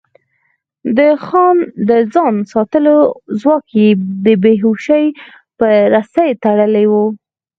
د ځان ساتلو ځواک يې د بې هوشۍ په رسۍ تړلی و.